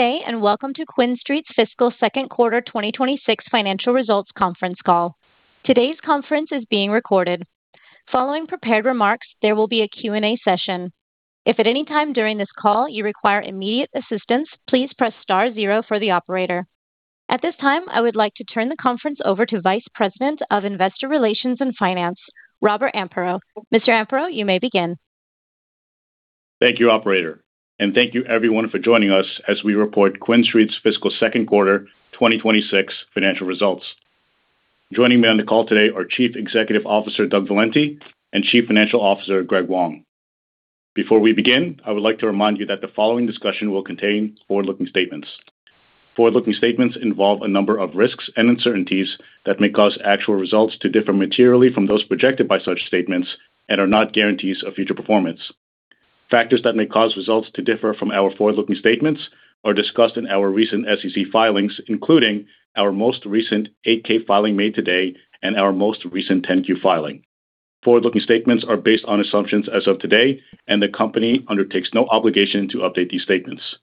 Good day and welcome to QuinStreet's fiscal second quarter 2026 financial results conference call. Today's conference is being recorded. Following prepared remarks, there will be a Q&A session. If at any time during this call you require immediate assistance, please press star zero for the operator. At this time, I would like to turn the conference over to Vice President of Investor Relations and Finance, Robert Amparo. Mr. Amparo, you may begin. Thank you, operator. Thank you, everyone, for joining us as we report QuinStreet's fiscal second quarter 2026 financial results. Joining me on the call today are Chief Executive Officer Doug Valenti and Chief Financial Officer Greg Wong. Before we begin, I would like to remind you that the following discussion will contain forward-looking statements. Forward-looking statements involve a number of risks and uncertainties that may cause actual results to differ materially from those projected by such statements and are not guarantees of future performance. Factors that may cause results to differ from our forward-looking statements are discussed in our recent SEC filings, including our most recent 8-K filing made today and our most recent 10-Q filing. Forward-looking statements are based on assumptions as of today, and the company undertakes no obligation to update these statements.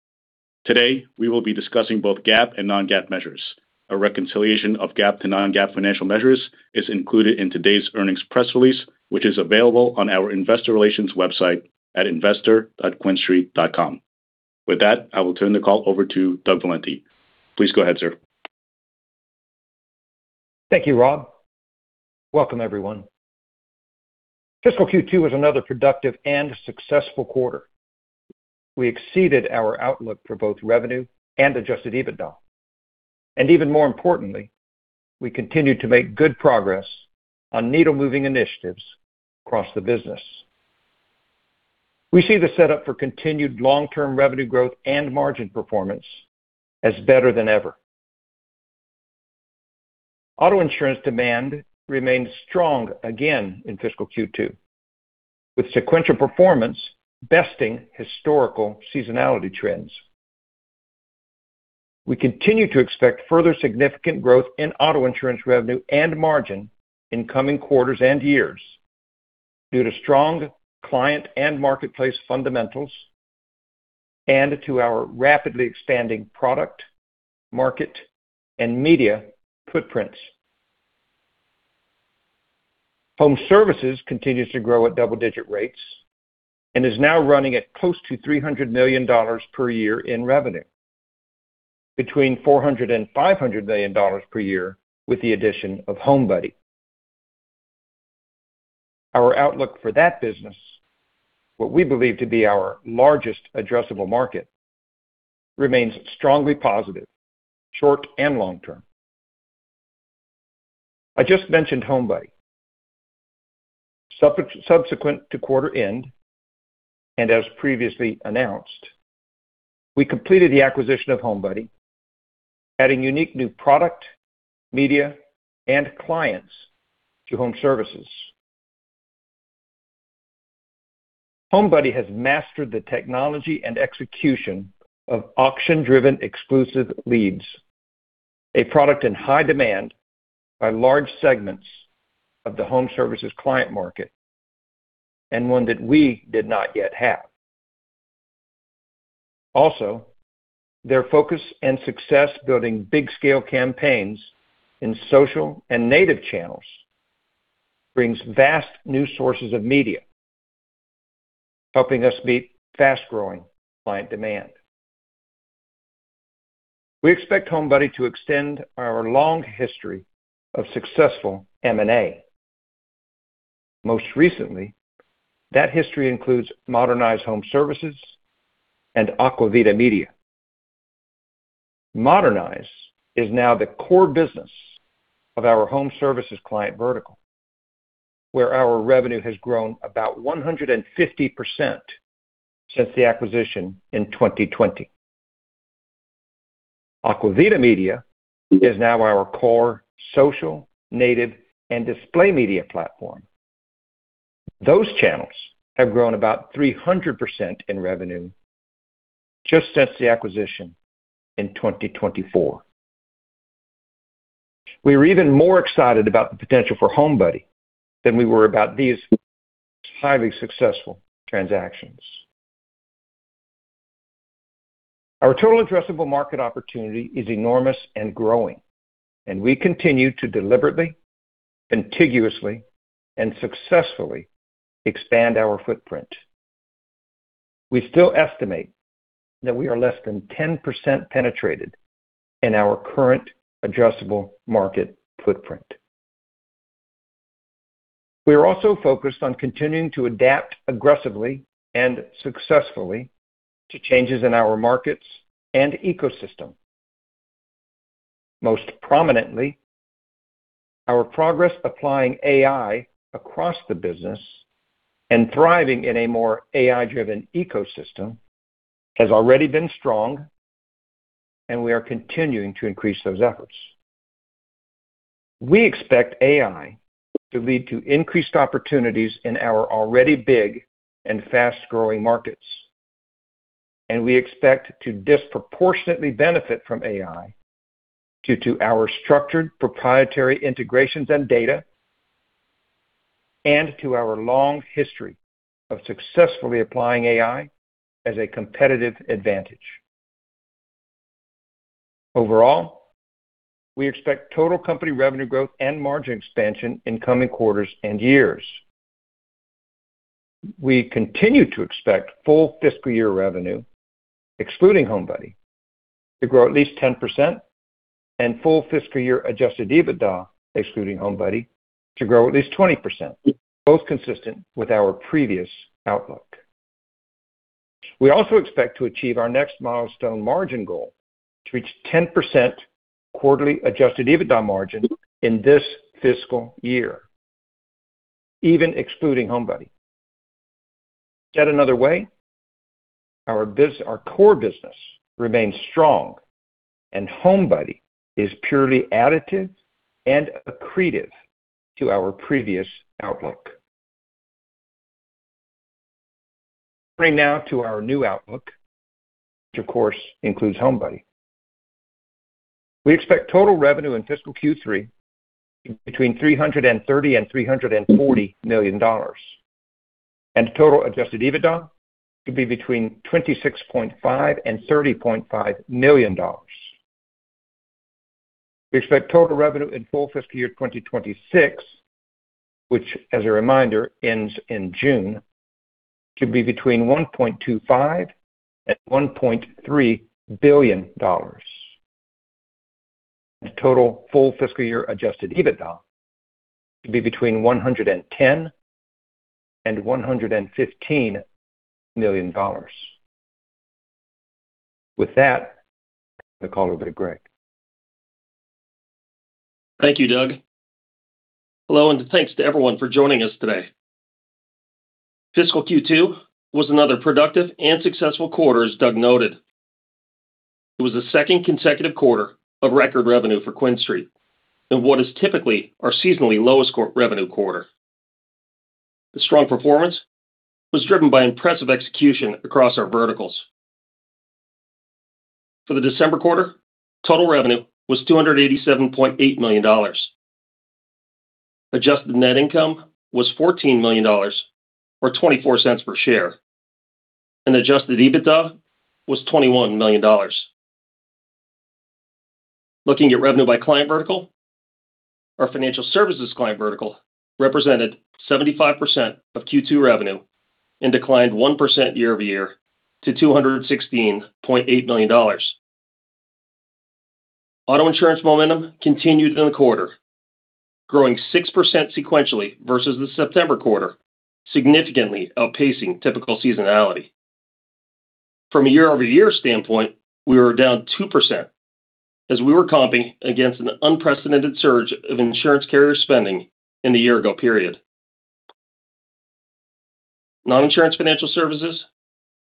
Today, we will be discussing both GAAP and non-GAAP measures. A reconciliation of GAAP to non-GAAP financial measures is included in today's earnings press release, which is available on our Investor Relations website at investor.quinstreet.com. With that, I will turn the call over to Doug Valenti. Please go ahead, sir. Thank you, Rob. Welcome, everyone. Fiscal Q2 was another productive and successful quarter. We exceeded our outlook for both revenue and Adjusted EBITDA. And even more importantly, we continued to make good progress on needle-moving initiatives across the business. We see the setup for continued long-term revenue growth and margin performance as better than ever. Auto insurance demand remained strong again in fiscal Q2, with sequential performance besting historical seasonality trends. We continue to expect further significant growth in auto insurance revenue and margin in coming quarters and years due to strong client and marketplace fundamentals and to our rapidly expanding product, market, and media footprints. Home services continues to grow at double-digit rates and is now running at close to $300 million per year in revenue, between $400 million-$500 million per year with the addition of HomeBuddy. Our outlook for that business, what we believe to be our largest addressable market, remains strongly positive short and long term. I just mentioned HomeBuddy. Subsequent to quarter end and as previously announced, we completed the acquisition of HomeBuddy, adding unique new product, media, and clients to home services. HomeBuddy has mastered the technology and execution of auction-driven exclusive leads, a product in high demand by large segments of the home services client market and one that we did not yet have. Also, their focus and success building big-scale campaigns in social and native channels brings vast new sources of media, helping us meet fast-growing client demand. We expect HomeBuddy to extend our long history of successful M&A. Most recently, that history includes Modernize Home Services and Aqua vida Media. Modernize is now the core business of our home services client vertical, where our revenue has grown about 150% since the acquisition in 2020. Aqua vida Media is now our core social, native, and display media platform. Those channels have grown about 300% in revenue just since the acquisition in 2024. We are even more excited about the potential for HomeBuddy than we were about these highly successful transactions. Our total addressable market opportunity is enormous and growing, and we continue to deliberately, contiguously, and successfully expand our footprint. We still estimate that we are less than 10% penetrated in our current addressable market footprint. We are also focused on continuing to adapt aggressively and successfully to changes in our markets and ecosystem. Most prominently, our progress applying AI across the business and thriving in a more AI-driven ecosystem has already been strong, and we are continuing to increase those efforts. We expect AI to lead to increased opportunities in our already big and fast-growing markets, and we expect to disproportionately benefit from AI due to our structured proprietary integrations and data and to our long history of successfully applying AI as a competitive advantage. Overall, we expect total company revenue growth and margin expansion in coming quarters and years. We continue to expect full fiscal year revenue, excluding HomeBuddy, to grow at least 10%, and full fiscal year Adjusted EBITDA, excluding HomeBuddy, to grow at least 20%, both consistent with our previous outlook. We also expect to achieve our next milestone margin goal to reach 10% quarterly Adjusted EBITDA margin in this fiscal year, even excluding HomeBuddy. Said another way, our core business remains strong, and HomeBuddy is purely additive and accretive to our previous outlook. Turning now to our new outlook, which of course includes HomeBuddy, we expect total revenue in fiscal Q3 to be between $330 million-$340 million, and total Adjusted EBITDA to be between $26.5 million-$30.5 million. We expect total revenue in full fiscal year 2026, which, as a reminder, ends in June, to be between $1.25 billion-$1.3 billion, and total full fiscal year Adjusted EBITDA to be between $110 million-$115 million. With that, I'm going to call over to Greg. Thank you, Doug. Hello, and thanks to everyone for joining us today. Fiscal Q2 was another productive and successful quarter, as Doug noted. It was the second consecutive quarter of record revenue for QuinStreet in what is typically our seasonally lowest revenue quarter. The strong performance was driven by impressive execution across our verticals. For the December quarter, total revenue was $287.8 million. Adjusted net income was $14 million or $0.24 per share, and Adjusted EBITDA was $21 million. Looking at revenue by client vertical, our financial services client vertical represented 75% of Q2 revenue and declined 1% year-over-year to $216.8 million. Auto insurance momentum continued in the quarter, growing 6% sequentially versus the September quarter, significantly outpacing typical seasonality. From a year-over-year standpoint, we were down 2% as we were comping against an unprecedented surge of insurance carrier spending in the year-ago period. Non-insurance financial services,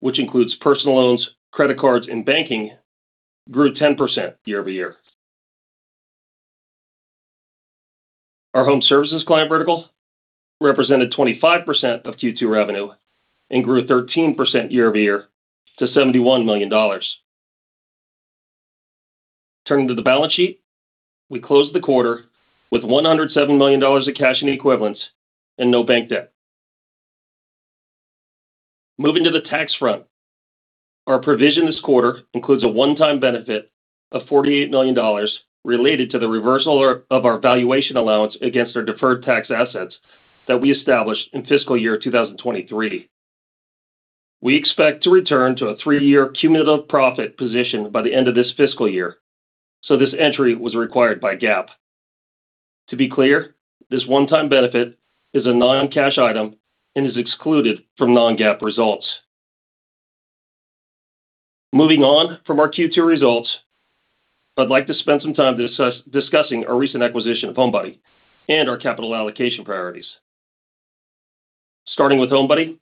which includes personal loans, credit cards, and banking, grew 10% year-over-year. Our home services client vertical represented 25% of Q2 revenue and grew 13% year-over-year to $71 million. Turning to the balance sheet, we closed the quarter with $107 million in cash and equivalents and no bank debt. Moving to the tax front, our provision this quarter includes a one-time benefit of $48 million related to the reversal of our valuation allowance against our deferred tax assets that we established in fiscal year 2023. We expect to return to a three-year cumulative profit position by the end of this fiscal year, so this entry was required by GAAP. To be clear, this one-time benefit is a non-cash item and is excluded from non-GAAP results. Moving on from our Q2 results, I'd like to spend some time discussing our recent acquisition of HomeBuddy and our capital allocation priorities. Starting with HomeBuddy,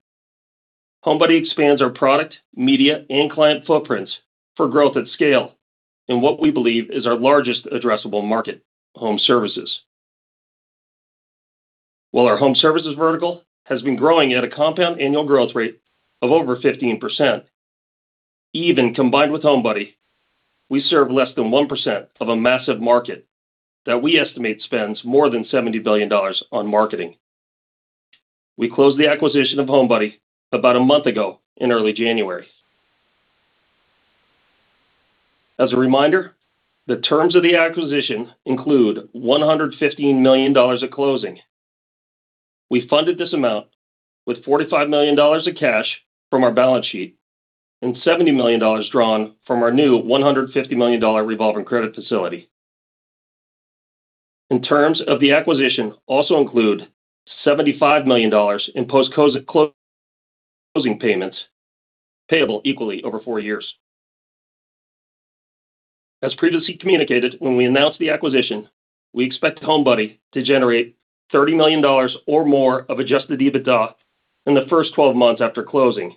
HomeBuddy expands our product, media, and client footprints for growth at scale in what we believe is our largest addressable market: home services. While our home services vertical has been growing at a compound annual growth rate of over 15%, even combined with HomeBuddy, we serve less than 1% of a massive market that we estimate spends more than $70 billion on marketing. We closed the acquisition of HomeBuddy about a month ago in early January. As a reminder, the terms of the acquisition include $115 million at closing. We funded this amount with $45 million in cash from our balance sheet and $70 million drawn from our new $150 million revolving credit facility. Terms of the acquisition also include $75 million in post-closing payments payable equally over four years. As previously communicated, when we announced the acquisition, we expect HomeBuddy to generate $30 million or more of Adjusted EBITDA in the first 12 months after closing.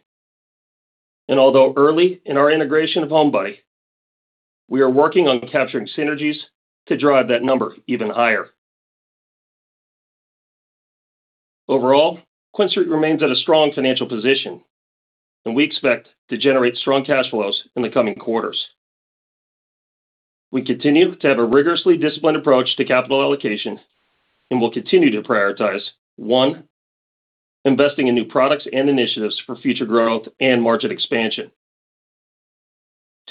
Although early in our integration of HomeBuddy, we are working on capturing synergies to drive that number even higher. Overall, QuinStreet remains at a strong financial position, and we expect to generate strong cash flows in the coming quarters. We continue to have a rigorously disciplined approach to capital allocation and will continue to prioritize: 1) investing in new products and initiatives for future growth and market expansion,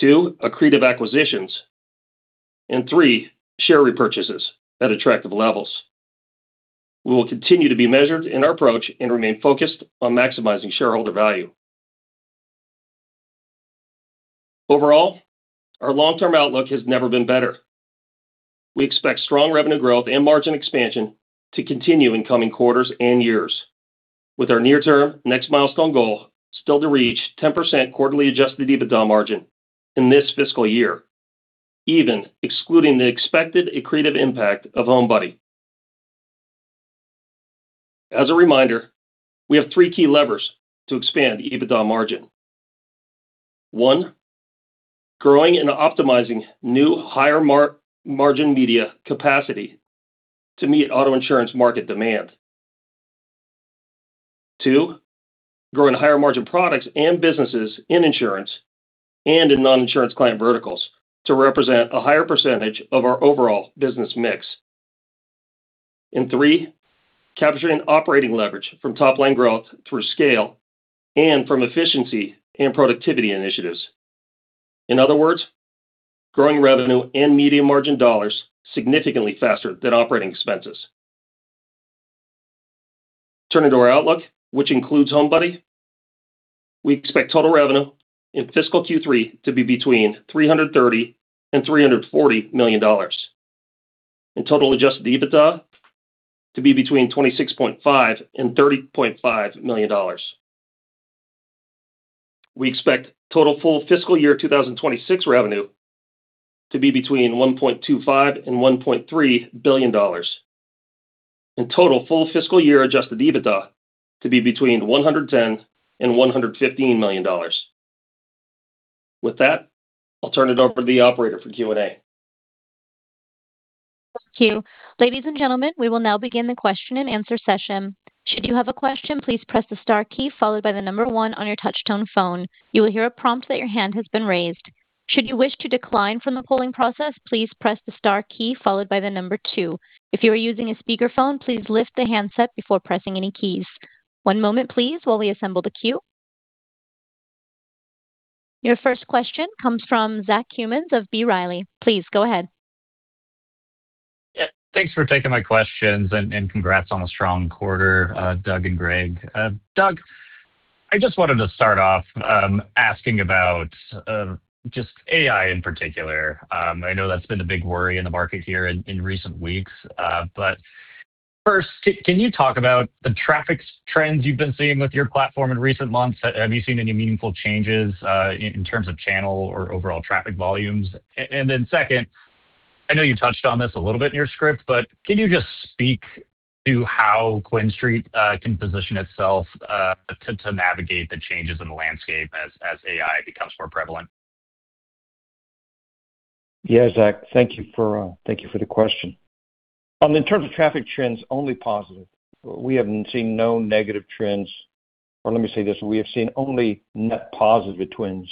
2) accretive acquisitions, and 3) share repurchases at attractive levels. We will continue to be measured in our approach and remain focused on maximizing shareholder value. Overall, our long-term outlook has never been better. We expect strong revenue growth and margin expansion to continue in coming quarters and years, with our near-term next milestone goal still to reach 10% quarterly Adjusted EBITDA margin in this fiscal year, even excluding the expected accretive impact of HomeBuddy. As a reminder, we have three key levers to expand EBITDA margin: 1) growing and optimizing new higher-margin media capacity to meet auto insurance market demand, 2) growing higher-margin products and businesses in insurance and in non-insurance client verticals to represent a higher percentage of our overall business mix, and 3) capturing operating leverage from top-line growth through scale and from efficiency and productivity initiatives. In other words, growing revenue and media margin dollars significantly faster than operating expenses. Turning to our outlook, which includes HomeBuddy, we expect total revenue in fiscal Q3 to be between $330 million-$340 million and total Adjusted EBITDA to be between $26.5 million-$30.5 million. We expect total full fiscal year 2026 revenue to be between $1.25 million-$1.3 billion and total full fiscal year Adjusted EBITDA to be between $110 million-$115 million. With that, I'll turn it over to the operator for Q&A. Thank you. Ladies and gentlemen, we will now begin the question-and-answer session. Should you have a question, please press the star key followed by the number one on your touch-tone phone. You will hear a prompt that your hand has been raised. Should you wish to decline from the polling process, please press the star key followed by the number two. If you are using a speakerphone, please lift the handset before pressing any keys. One moment, please, while we assemble the queue. Your first question comes from Zach Cummins of B. Riley. Please, go ahead. Yeah, thanks for taking my questions and congrats on a strong quarter, Doug and Greg. Doug, I just wanted to start off asking about just AI in particular. I know that's been a big worry in the market here in recent weeks. But first, can you talk about the traffic trends you've been seeing with your platform in recent months? Have you seen any meaningful changes in terms of channel or overall traffic volumes? And then second, I know you touched on this a little bit in your script, but can you just speak to how QuinStreet can position itself to navigate the changes in the landscape as AI becomes more prevalent? Yeah, Zach, thank you for the question. In terms of traffic trends, only positive. We haven't seen no negative trends. Or let me say this: we have seen only net positive trends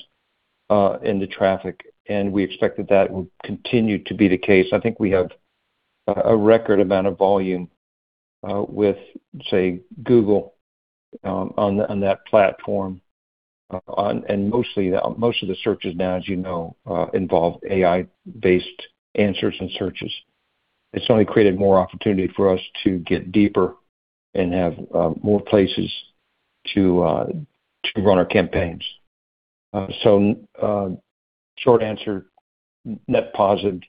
in the traffic, and we expect that that will continue to be the case. I think we have a record amount of volume with, say, Google on that platform. And most of the searches now, as you know, involve AI-based answers and searches. It's only created more opportunity for us to get deeper and have more places to run our campaigns. So short answer: net positive,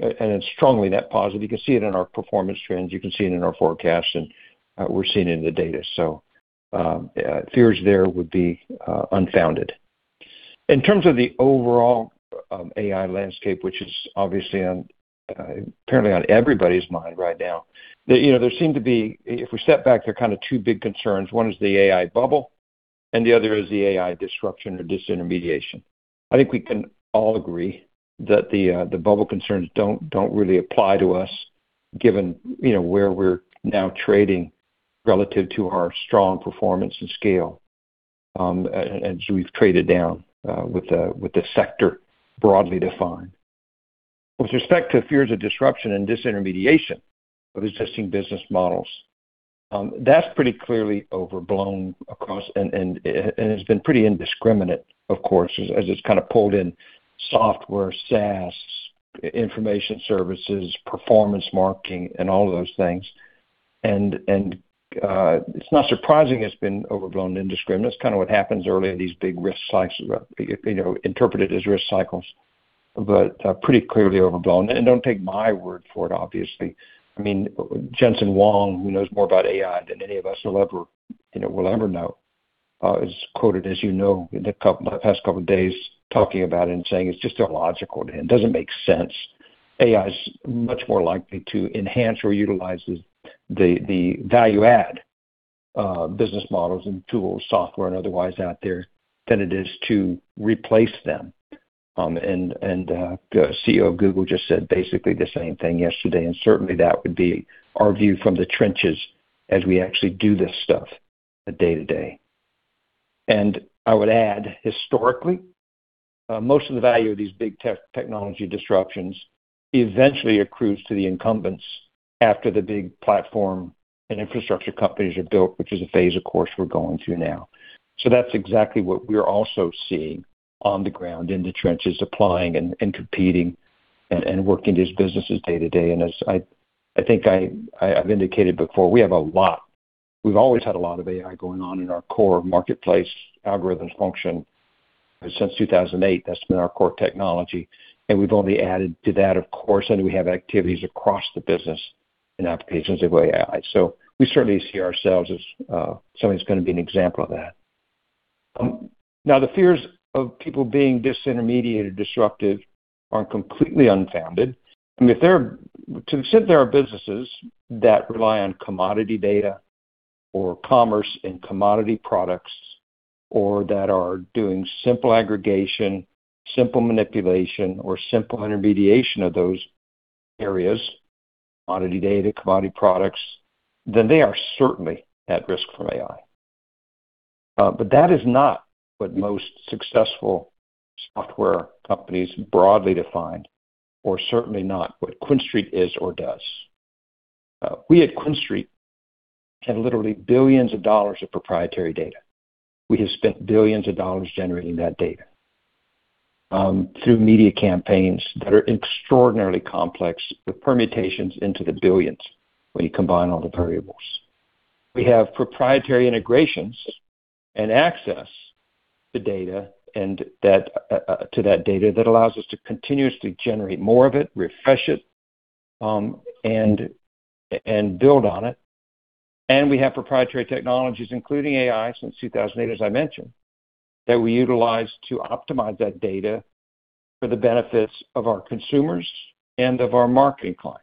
and it's strongly net positive. You can see it in our performance trends. You can see it in our forecasts, and we're seeing it in the data. So fears there would be unfounded. In terms of the overall AI landscape, which is obviously apparently on everybody's mind right now, there seem to be if we step back, there are kind of two big concerns. One is the AI bubble, and the other is the AI disruption or disintermediation. I think we can all agree that the bubble concerns don't really apply to us given where we're now trading relative to our strong performance and scale as we've traded down with the sector broadly defined. With respect to fears of disruption and disintermediation of existing business models, that's pretty clearly overblown across and has been pretty indiscriminate, of course, as it's kind of pulled in software, SaaS, information services, performance marketing, and all of those things. It's not surprising it's been overblown and indiscriminate. It's kind of what happens early in these big risk cycles, interpreted as risk cycles, but pretty clearly overblown. Don't take my word for it, obviously. I mean, Jensen Huang, who knows more about AI than any of us will ever know, is quoted, as you know, in the past couple of days talking about it and saying it's just illogical to him. It doesn't make sense. AI is much more likely to enhance or utilize the value-add business models and tools, software, and otherwise out there than it is to replace them. The CEO of Google just said basically the same thing yesterday. Certainly, that would be our view from the trenches as we actually do this stuff day to day. I would add, historically, most of the value of these big technology disruptions eventually accrues to the incumbents after the big platform and infrastructure companies are built, which is a phase, of course, we're going through now. So that's exactly what we're also seeing on the ground in the trenches, applying and competing and working these businesses day to day. And as I think I've indicated before, we have a lot we've always had a lot of AI going on in our core marketplace algorithms function. Since 2008, that's been our core technology. And we've only added to that, of course, and we have activities across the business in applications of AI. So we certainly see ourselves as something that's going to be an example of that. Now, the fears of people being disintermediated, disruptive aren't completely unfounded. I mean, to the extent there are businesses that rely on commodity data or commerce and commodity products or that are doing simple aggregation, simple manipulation, or simple intermediation of those areas, commodity data, commodity products, then they are certainly at risk from AI. But that is not what most successful software companies broadly define or certainly not what QuinStreet is or does. We at QuinStreet have literally billions of dollars of proprietary data. We have spent billions of dollars generating that data through media campaigns that are extraordinarily complex with permutations into the billions when you combine all the variables. We have proprietary integrations and access to data that allows us to continuously generate more of it, refresh it, and build on it. And we have proprietary technologies, including AI since 2008, as I mentioned, that we utilize to optimize that data for the benefits of our consumers and of our marketing clients.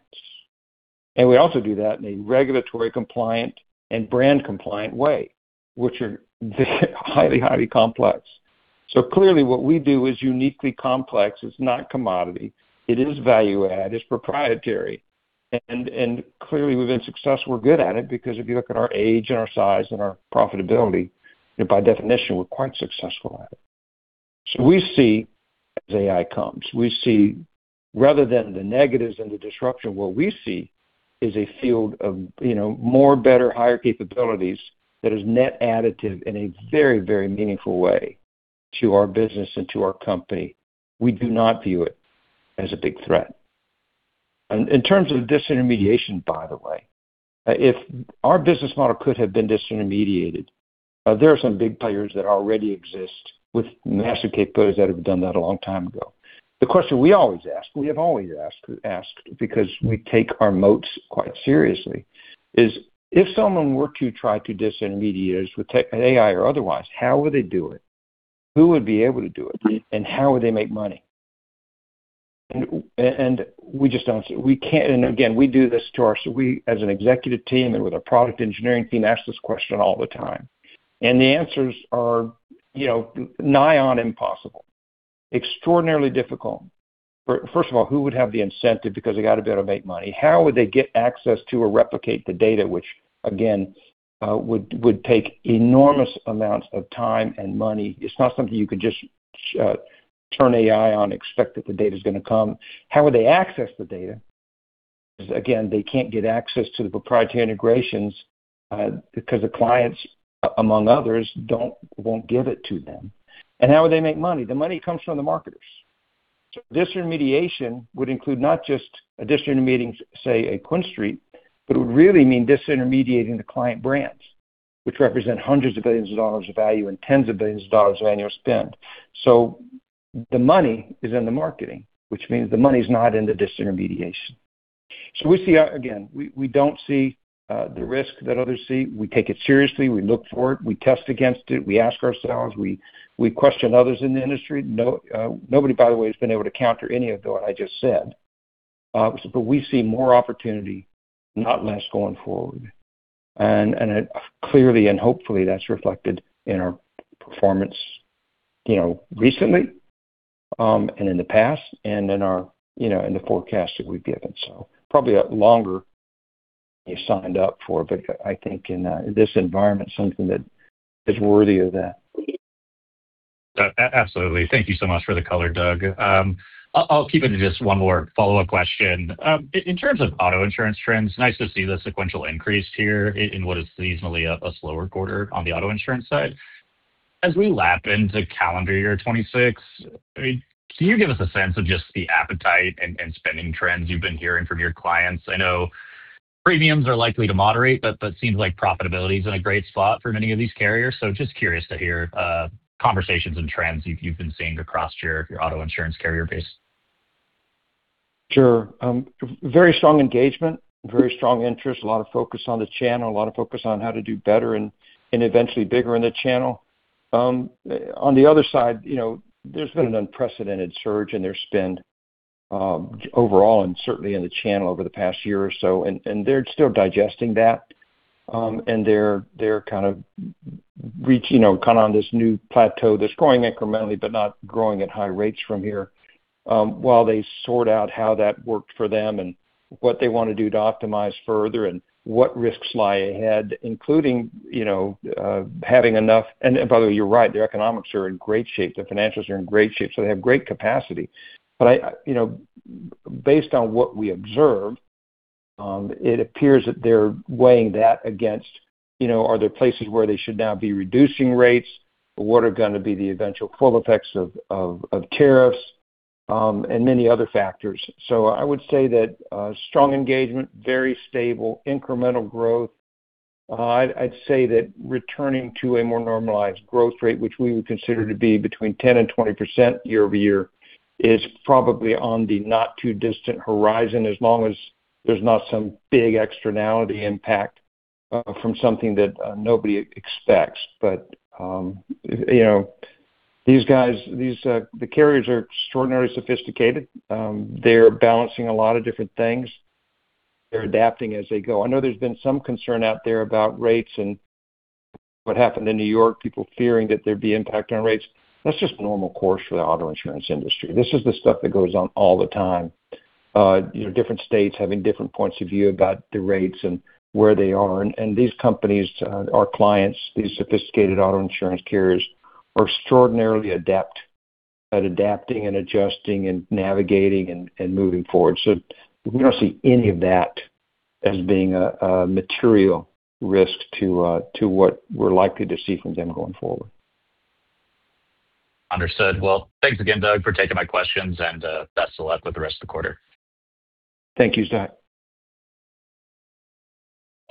And we also do that in a regulatory compliant and brand compliant way, which are highly, highly complex. So clearly, what we do is uniquely complex. It's not commodity. It is value-add. It's proprietary. And clearly, we've been successful. We're good at it because if you look at our age and our size and our profitability, by definition, we're quite successful at it. So we see as AI comes, we see rather than the negatives and the disruption, what we see is a field of more, better, higher capabilities that is net additive in a very, very meaningful way to our business and to our company. We do not view it as a big threat. In terms of disintermediation, by the way, if our business model could have been disintermediated, there are some big players that already exist with massive capabilities that have done that a long time ago. The question we always ask - we have always asked because we take our moats quite seriously - is if someone were to try to disintermediate us with AI or otherwise, how would they do it? Who would be able to do it? And how would they make money? And we just don't we can't and again, we do this to our as an executive team and with our product engineering team, ask this question all the time. And the answers are nigh on impossible, extraordinarily difficult. First of all, who would have the incentive because they got to be able to make money? How would they get access to or replicate the data, which, again, would take enormous amounts of time and money? It's not something you could just turn AI on, expect that the data is going to come. How would they access the data? Again, they can't get access to the proprietary integrations because the clients, among others, won't give it to them. And how would they make money? The money comes from the marketers. So disintermediation would include not just disintermediating, say, a QuinStreet, but it would really mean disintermediating the client brands, which represent hundreds of billions of dollars of value and tens of billions of dollars of annual spend. So the money is in the marketing, which means the money is not in the disintermediation. So again, we don't see the risk that others see. We take it seriously. We look for it. We test against it. We ask ourselves. We question others in the industry. Nobody, by the way, has been able to counter any of what I just said. But we see more opportunity, not less, going forward. And clearly and hopefully, that's reflected in our performance recently and in the past and in the forecasts that we've given. So probably longer than you signed up for, but I think in this environment, something that is worthy of that. Absolutely. Thank you so much for the color, Doug. I'll keep it to just one more follow-up question. In terms of auto insurance trends, nice to see the sequential increase here in what is seasonally a slower quarter on the auto insurance side. As we lap into calendar year 2026, can you give us a sense of just the appetite and spending trends you've been hearing from your clients? I know premiums are likely to moderate, but it seems like profitability is in a great spot for many of these carriers. So just curious to hear conversations and trends you've been seeing across your auto insurance carrier base. Sure. Very strong engagement, very strong interest, a lot of focus on the channel, a lot of focus on how to do better and eventually bigger in the channel. On the other side, there's been an unprecedented surge in their spend overall and certainly in the channel over the past year or so. They're still digesting that. They're kind of on this new plateau that's growing incrementally but not growing at high rates from here while they sort out how that worked for them and what they want to do to optimize further and what risks lie ahead, including having enough, and by the way, you're right. Their economics are in great shape. Their financials are in great shape. So they have great capacity. Based on what we observe, it appears that they're weighing that against, are there places where they should now be reducing rates? What are going to be the eventual full effects of tariffs and many other factors? I would say that strong engagement, very stable, incremental growth. I'd say that returning to a more normalized growth rate, which we would consider to be between 10% and 20% year-over-year, is probably on the not-too-distant horizon as long as there's not some big externality impact from something that nobody expects. But these guys, the carriers, are extraordinarily sophisticated. They're balancing a lot of different things. They're adapting as they go. I know there's been some concern out there about rates and what happened in New York, people fearing that there'd be impact on rates. That's just normal course for the auto insurance industry. This is the stuff that goes on all the time, different states having different points of view about the rates and where they are. These companies, our clients, these sophisticated auto insurance carriers are extraordinarily adept at adapting and adjusting and navigating and moving forward. We don't see any of that as being a material risk to what we're likely to see from them going forward. Understood. Well, thanks again, Doug, for taking my questions, and best of luck with the rest of the quarter. Thank you, Zach.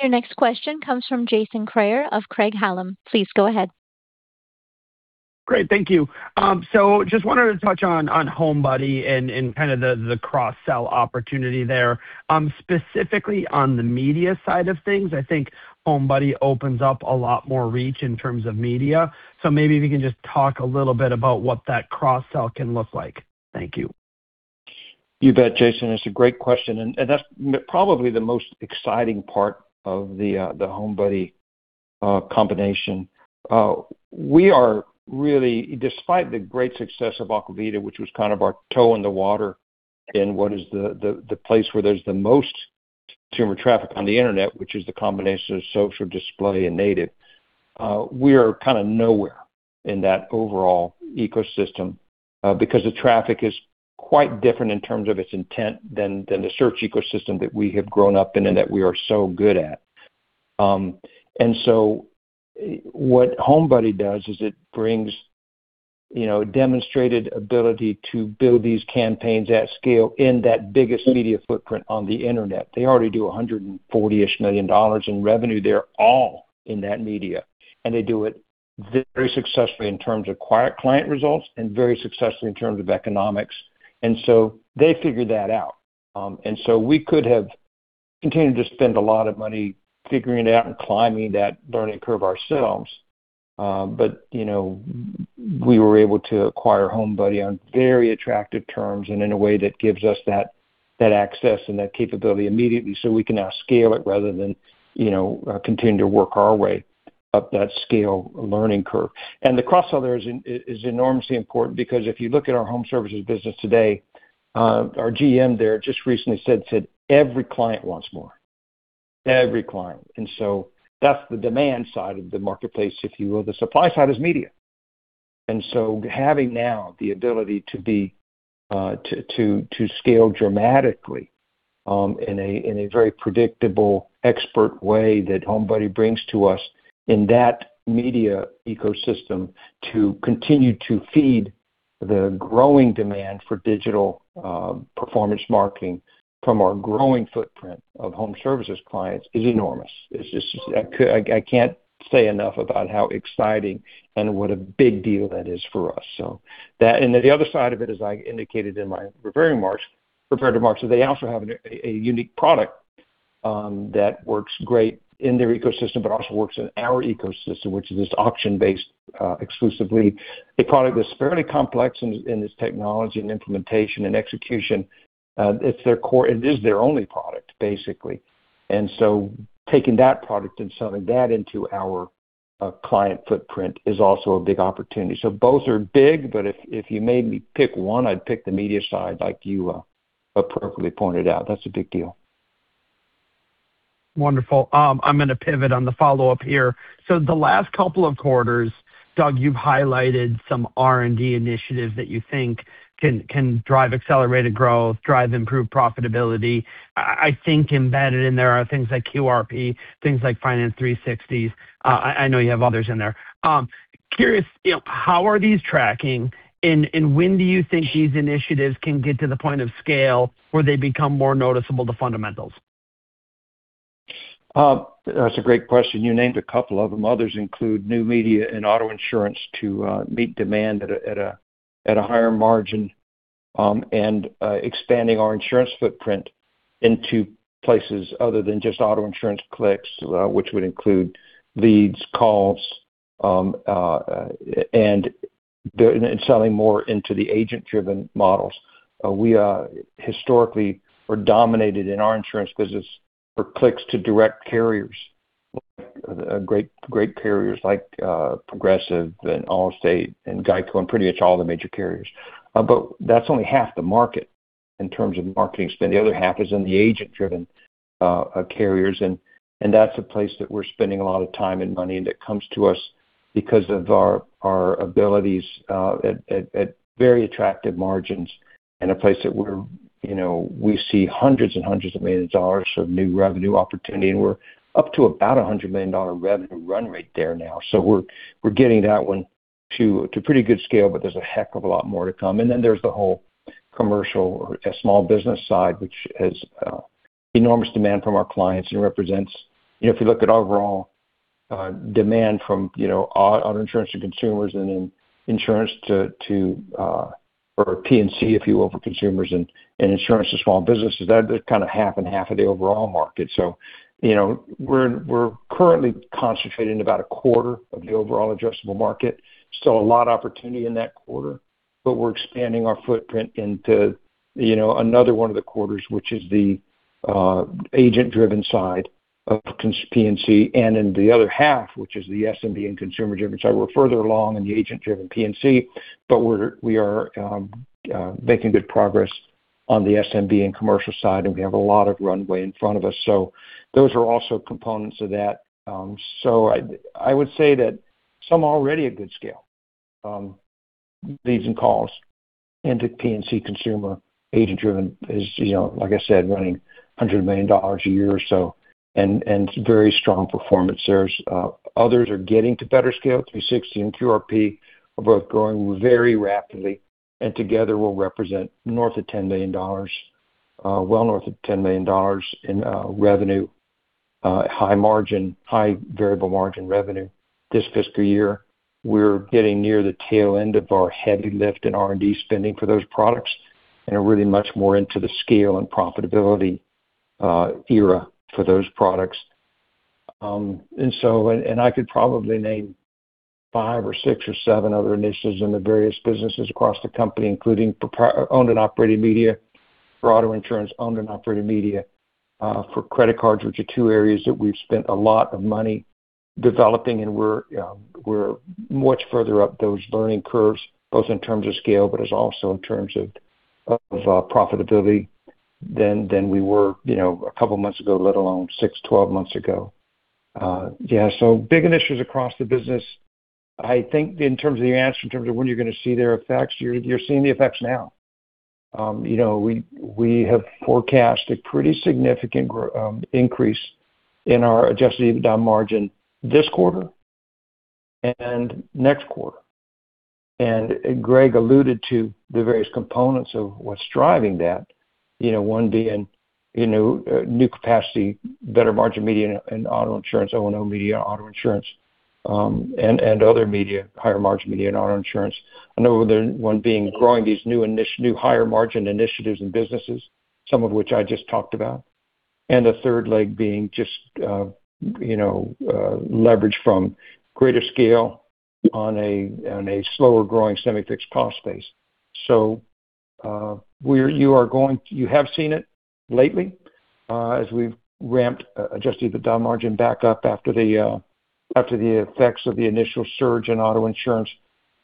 Your next question comes from Jason Kreyer of Craig-Hallum. Please go ahead. Great. Thank you. So just wanted to touch on HomeBuddy and kind of the cross-sell opportunity there. Specifically on the media side of things, I think HomeBuddy opens up a lot more reach in terms of media. So maybe if you can just talk a little bit about what that cross-sell can look like. Thank you. You bet, Jason. It's a great question. That's probably the most exciting part of the HomeBuddy combination. We are really, despite the great success of Aquavita, which was kind of our toe in the water in what is the place where there's the most consumer traffic on the internet, which is the combination of social display and native, we are kind of nowhere in that overall ecosystem because the traffic is quite different in terms of its intent than the search ecosystem that we have grown up in and that we are so good at. So what HomeBuddy does is it brings demonstrated ability to build these campaigns at scale in that biggest media footprint on the internet. They already do $140-ish million in revenue. They're all in that media. They do it very successfully in terms of quality client results and very successfully in terms of economics. So they figured that out. So we could have continued to spend a lot of money figuring it out and climbing that learning curve ourselves. But we were able to acquire HomeBuddy on very attractive terms and in a way that gives us that access and that capability immediately so we can now scale it rather than continue to work our way up that scale learning curve. The cross-sell there is enormously important because if you look at our home services business today, our GM there just recently said every client wants more, every client. So that's the demand side of the marketplace, if you will. The supply side is media. So having now the ability to scale dramatically in a very predictable expert way that HomeBuddy brings to us in that media ecosystem to continue to feed the growing demand for digital performance marketing from our growing footprint of home services clients is enormous. I can't say enough about how exciting and what a big deal that is for us. And the other side of it, as I indicated in my preparatory remarks, is they also have a unique product that works great in their ecosystem but also works in our ecosystem, which is this auction-based exclusive, a product that's fairly complex in its technology and implementation and execution. It's their core. It is their only product, basically. And so taking that product and selling that into our client footprint is also a big opportunity. Both are big, but if you made me pick one, I'd pick the media side, like you appropriately pointed out. That's a big deal. Wonderful. I'm going to pivot on the follow-up here. So the last couple of quarters, Doug, you've highlighted some R&D initiatives that you think can drive accelerated growth, drive improved profitability. I think embedded in there are things like QRP, things like Finance 360s. I know you have others in there. Curious, how are these tracking? And when do you think these initiatives can get to the point of scale where they become more noticeable to fundamentals? That's a great question. You named a couple of them. Others include new media in auto insurance to meet demand at a higher margin and expanding our insurance footprint into places other than just auto insurance clicks, which would include leads, calls, and selling more into the agent-driven models. We historically were dominated in our insurance business for clicks to direct carriers, great carriers like Progressive and Allstate and GEICO and pretty much all the major carriers. But that's only half the market in terms of marketing spend. The other half is in the agent-driven carriers. And that's a place that we're spending a lot of time and money. And it comes to us because of our abilities at very attractive margins and a place that we see hundreds and hundreds of millions of dollars of new revenue opportunity. And we're up to about a $100 million revenue run rate there now. So we're getting that one to pretty good scale, but there's a heck of a lot more to come. And then there's the whole commercial or small business side, which has enormous demand from our clients and represents if you look at overall demand from auto insurance to consumers and then insurance, or P&C, if you will, for consumers and insurance to small businesses, they're kind of half and half of the overall market. So we're currently concentrating about a quarter of the overall addressable market. Still a lot of opportunity in that quarter, but we're expanding our footprint into another one of the quarters, which is the agent-driven side of P&C. And in the other half, which is the SMB and consumer-driven side, we're further along in the agent-driven P&C, but we are making good progress on the SMB and commercial side, and we have a lot of runway in front of us. So those are also components of that. So I would say that some already at good scale, leads and calls, into P&C consumer, agent-driven, like I said, running $100 million a year or so and very strong performance. Others are getting to better scale. 360 and QRP are both growing very rapidly. And together, we'll represent well north of $10 million in revenue, high variable margin revenue this fiscal year. We're getting near the tail end of our heavy lift in R&D spending for those products, and we're really much more into the scale and profitability era for those products. And I could probably name 5 or 6 or 7 other initiatives in the various businesses across the company, including owned and operated media for auto insurance, owned and operated media for credit cards, which are two areas that we've spent a lot of money developing. And we're much further up those learning curves, both in terms of scale but also in terms of profitability than we were a couple of months ago, let alone 6, 12 months ago. Yeah. So big initiatives across the business. I think in terms of your answer, in terms of when you're going to see their effects, you're seeing the effects now. We have forecast a pretty significant increase in our Adjusted EBITDA margin this quarter and next quarter. And Greg alluded to the various components of what's driving that, one being new capacity, better margin media in auto insurance, O&O media in auto insurance, and other media, higher margin media in auto insurance. I know one being growing these new higher margin initiatives and businesses, some of which I just talked about, and the third leg being just leverage from greater scale on a slower-growing semi-fixed cost base. So you have seen it lately as we've ramped Adjusted EBITDA margin back up after the effects of the initial surge in auto insurance.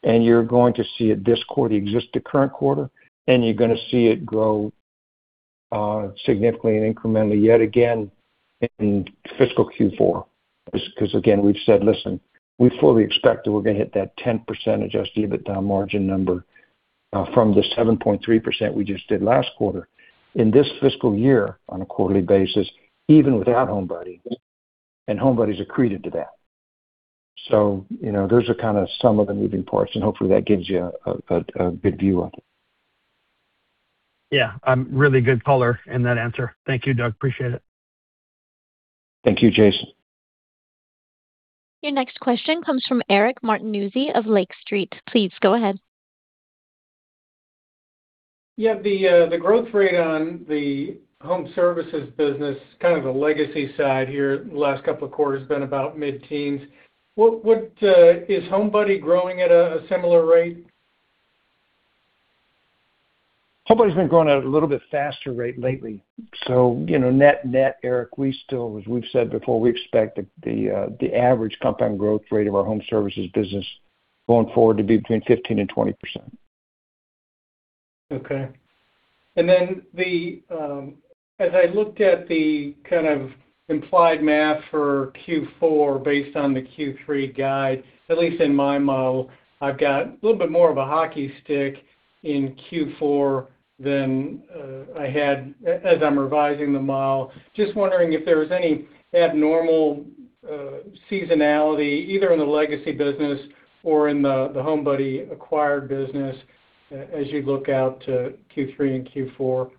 You're going to see it this quarter, the current quarter, and you're going to see it grow significantly and incrementally yet again in fiscal Q4 because, again, we've said, "Listen, we fully expect that we're going to hit that 10% Adjusted EBITDA margin number from the 7.3% we just did last quarter." In this fiscal year, on a quarterly basis, even without HomeBuddy, and HomeBuddy is accretive to that. So those are kind of some of the moving parts. Hopefully, that gives you a good view of it. Yeah. Really good color in that answer. Thank you, Doug. Appreciate it. Thank you, Jason. Your next question comes from Eric Martinuzzi of Lake Street. Please go ahead. Yeah. The growth rate on the home services business, kind of the legacy side here, the last couple of quarters has been about mid-teens. Is HomeBuddy growing at a similar rate? HomeBuddy's been growing at a little bit faster rate lately. So net, Eric, we still, as we've said before, we expect the average compound growth rate of our home services business going forward to be between 15% and 20%. Okay. And then as I looked at the kind of implied math for Q4 based on the Q3 guide, at least in my model, I've got a little bit more of a hockey stick in Q4 than I had as I'm revising the model. Just wondering if there was any abnormal seasonality, either in the legacy business or in the HomeBuddy-acquired business, as you look out to Q3 and Q4.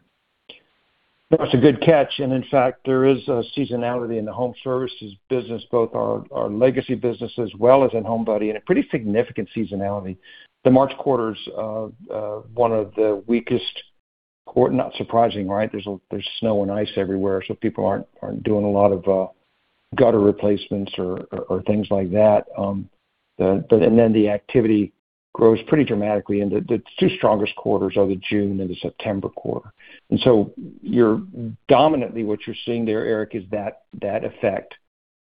That's a good catch. And in fact, there is seasonality in the home services business, both our legacy business as well as in HomeBuddy, and a pretty significant seasonality. The March quarter's one of the weakest quarters, not surprising, right? There's snow and ice everywhere, so people aren't doing a lot of gutter replacements or things like that. And then the activity grows pretty dramatically. And the two strongest quarters are the June and the September quarter. And so dominantly, what you're seeing there, Eric, is that effect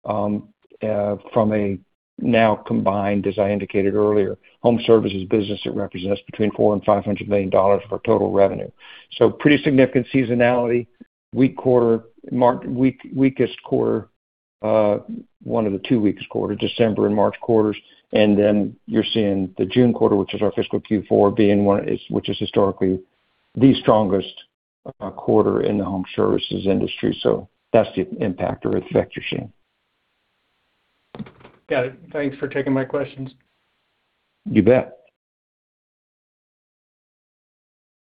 from a now combined, as I indicated earlier, home services business that represents between $400 million and $500 million of our total revenue. So pretty significant seasonality, weakest quarter, one of the two weakest quarters, December and March quarters. And then you're seeing the June quarter, which is our fiscal Q4, being one, which is historically the strongest quarter in the home services industry. So that's the impact or effect you're seeing. Got it. Thanks for taking my questions. You bet.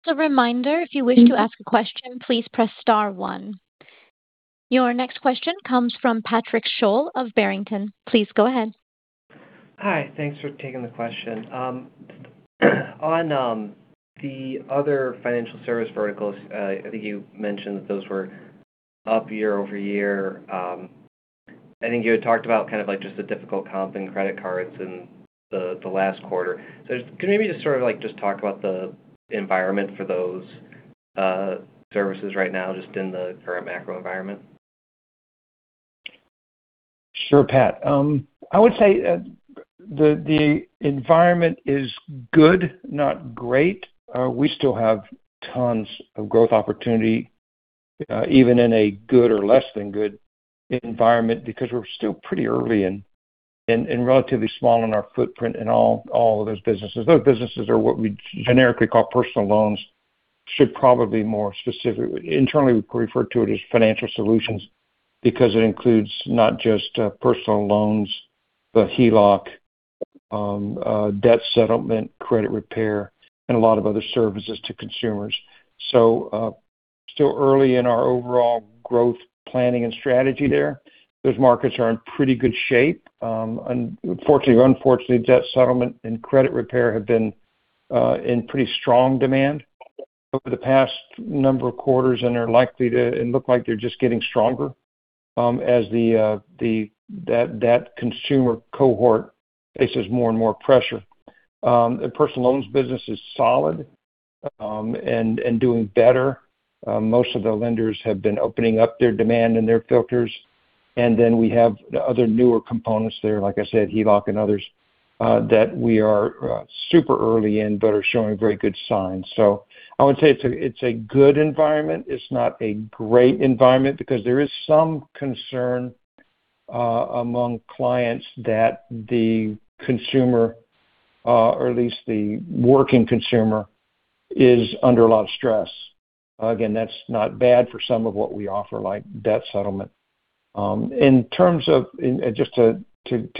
As a reminder, if you wish to ask a question, please press star one. Your next question comes from Patrick Sholl of Barrington. Please go ahead. Hi. Thanks for taking the question. On the other financial service verticals, I think you mentioned that those were up year-over-year. I think you had talked about kind of just the difficult comp in credit cards in the last quarter. So can you maybe just sort of just talk about the environment for those services right now, just in the current macro environment? Sure, Pat. I would say the environment is good, not great. We still have tons of growth opportunity, even in a good or less than good environment because we're still pretty early and relatively small in our footprint in all of those businesses. Those businesses are what we generically call personal loans, should probably more specifically internally, we refer to it as financial solutions because it includes not just personal loans, but HELOC, debt settlement, credit repair, and a lot of other services to consumers. So still early in our overall growth planning and strategy there. Those markets are in pretty good shape. Fortunately, or unfortunately, debt settlement and credit repair have been in pretty strong demand over the past number of quarters, and they're likely to and look like they're just getting stronger as that consumer cohort faces more and more pressure. The personal loans business is solid and doing better. Most of the lenders have been opening up their demand in their filters. And then we have other newer components there, like I said, HELOC and others, that we are super early in but are showing very good signs. So I would say it's a good environment. It's not a great environment because there is some concern among clients that the consumer, or at least the working consumer, is under a lot of stress. Again, that's not bad for some of what we offer, like debt settlement. In terms of just to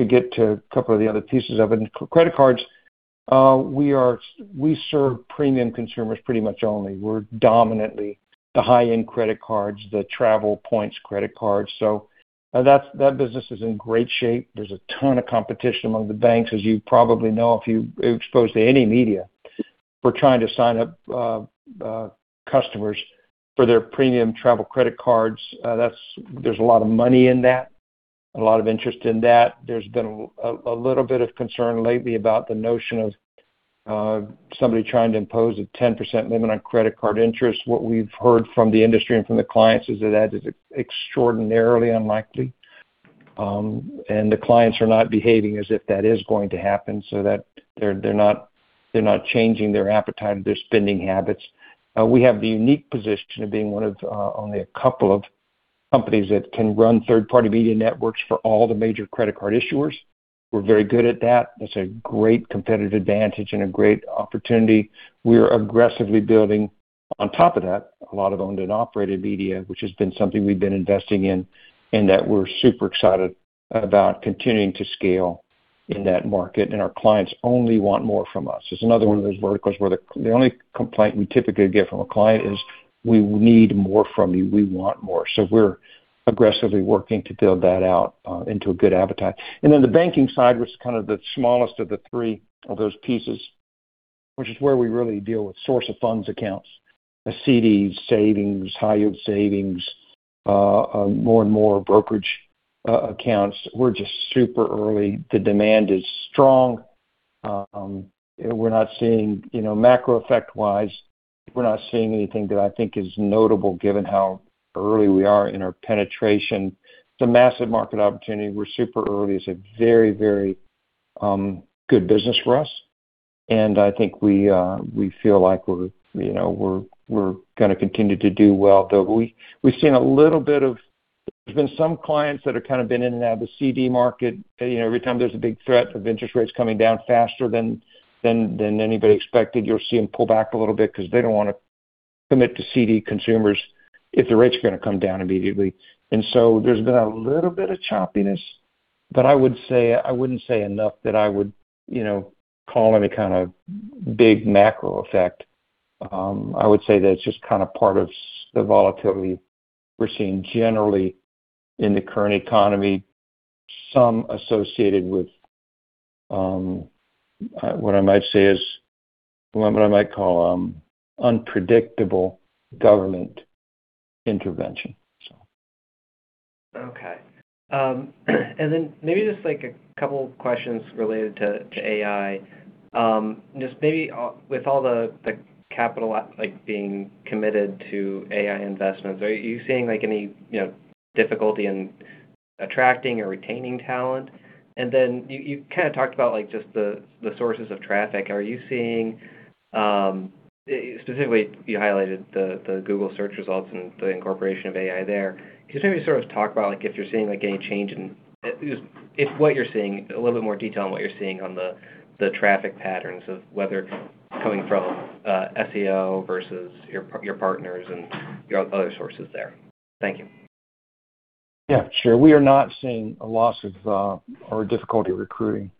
get to a couple of the other pieces of it, credit cards, we serve premium consumers pretty much only. We're dominantly the high-end credit cards, the travel points credit cards. So that business is in great shape. There's a ton of competition among the banks, as you probably know if you're exposed to any media. We're trying to sign up customers for their premium travel credit cards. There's a lot of money in that, a lot of interest in that. There's been a little bit of concern lately about the notion of somebody trying to impose a 10% limit on credit card interest. What we've heard from the industry and from the clients is that that is extraordinarily unlikely. The clients are not behaving as if that is going to happen. They're not changing their appetite. Their spending habits. We have the unique position of being one of only a couple of companies that can run third-party media networks for all the major credit card issuers. We're very good at that. That's a great competitive advantage and a great opportunity. We are aggressively building on top of that, a lot of owned and operated media, which has been something we've been investing in and that we're super excited about continuing to scale in that market. And our clients only want more from us. It's another one of those verticals where the only complaint we typically get from a client is, "We need more from you. We want more." So we're aggressively working to build that out into a good appetite. And then the banking side, which is kind of the smallest of the three of those pieces, which is where we really deal with source of funds accounts, CDs, savings, high-yield savings, more and more brokerage accounts. We're just super early. The demand is strong. We're not seeing macro effect-wise, we're not seeing anything that I think is notable given how early we are in our penetration. It's a massive market opportunity. We're super early. It's a very, very good business for us. I think we feel like we're going to continue to do well, though. We've seen a little bit. There's been some clients that have kind of been in and out of the CD market. Every time there's a big threat of interest rates coming down faster than anybody expected, you'll see them pull back a little bit because they don't want to commit to CD consumers if the rates are going to come down immediately. So there's been a little bit of choppiness, but I wouldn't say enough that I would call any kind of big macro effect. I would say that it's just kind of part of the volatility we're seeing generally in the current economy, some associated with what I might say is what I might call unpredictable government intervention, so. Okay. And then maybe just a couple of questions related to AI. Just maybe with all the capital being committed to AI investments, are you seeing any difficulty in attracting or retaining talent? And then you kind of talked about just the sources of traffic. Are you seeing specifically, you highlighted the Google search results and the incorporation of AI there. Could you maybe sort of talk about if you're seeing any change in what you're seeing, a little bit more detail on what you're seeing on the traffic patterns of whether coming from SEO versus your partners and your other sources there? Thank you. Yeah. Sure. We are not seeing a loss of or difficulty recruiting.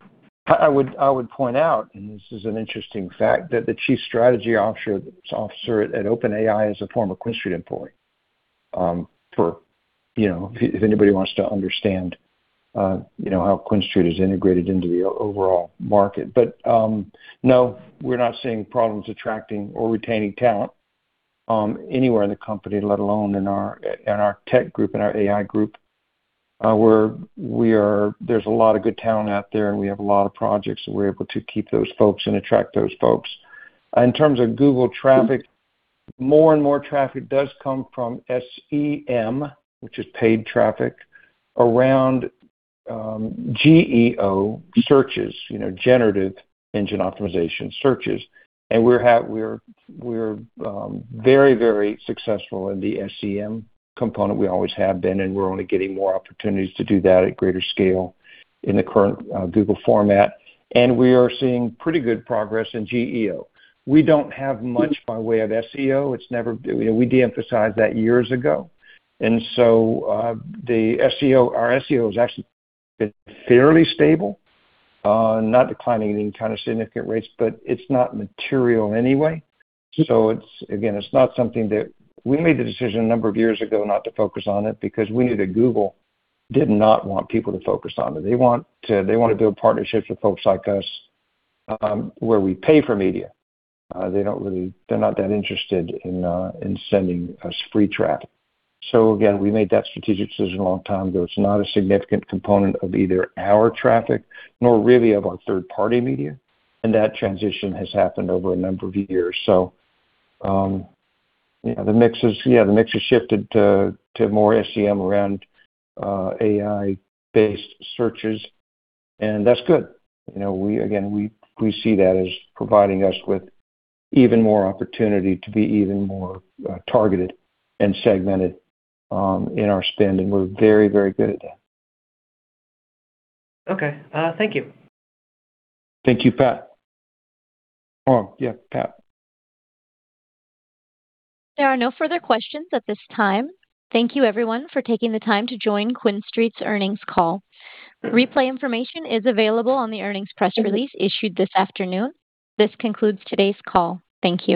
I would point out, and this is an interesting fact, that the chief strategy officer at OpenAI is a former QuinStreet employee, for if anybody wants to understand how QuinStreet is integrated into the overall market. But no, we're not seeing problems attracting or retaining talent anywhere in the company, let alone in our tech group, in our AI group. There's a lot of good talent out there, and we have a lot of projects, and we're able to keep those folks and attract those folks. In terms of Google traffic, more and more traffic does come from SEM, which is paid traffic, around GEO searches, generative engine optimization searches. And we're very, very successful in the SEM component. We always have been, and we're only getting more opportunities to do that at greater scale in the current Google format. We are seeing pretty good progress in GEO. We don't have much by way of SEO. We deemphasized that years ago. Our SEO has actually been fairly stable, not declining any kind of significant rates, but it's not material anyway. It's not something that we made the decision a number of years ago not to focus on it because we knew that Google did not want people to focus on it. They want to build partnerships with folks like us where we pay for media. They're not that interested in sending us free traffic. We made that strategic decision a long time ago. It's not a significant component of either our traffic nor really of our third-party media. That transition has happened over a number of years. Yeah, the mix has shifted to more SEM around AI-based searches. That's good. Again, we see that as providing us with even more opportunity to be even more targeted and segmented in our spend. We're very, very good at that. Okay. Thank you. Thank you, Pat. Oh, yeah, Pat. There are no further questions at this time. Thank you, everyone, for taking the time to join QuinStreet's earnings call. Replay information is available on the earnings press release issued this afternoon. This concludes today's call. Thank you.